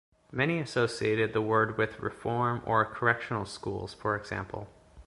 Many associated the word with reform or correctional schools for example.